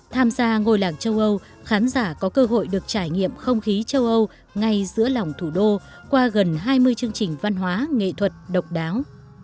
tham gia ngôi làng châu âu khán giả có cơ hội được trải nghiệm không khí châu âu ngay giữa lòng thủ đô qua gần hai mươi chương trình văn hóa nghệ thuật độc đáo